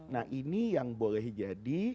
nah ini yang boleh jadi